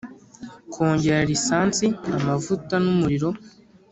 kongera lisansi (amavuta) numuriro